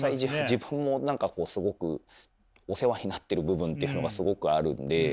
自分も何かすごくお世話になってる部分っていうのがすごくあるんで。